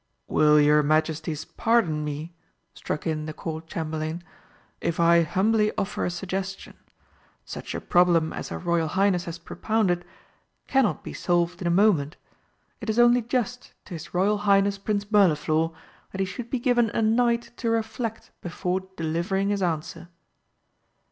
"Will your Majesties pardon me," struck in the Court Chamberlain, "if I humbly offer a suggestion. Such a problem as her Royal Highness has propounded cannot be solved in a moment. It is only just to his Royal Highness Prince Mirliflor that he should be given a night to reflect before delivering his answer."